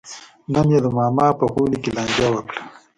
نن یې د ماما په غولي کې لانجه وکړه.